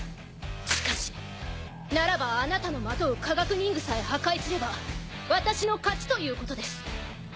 しかしならばあなたのまとう科学忍具さえ破壊すれば私の勝ちということです。